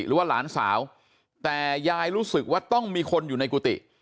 หรือว่าหลานสาวแต่ยายรู้สึกว่าต้องมีคนอยู่ในกุฏิ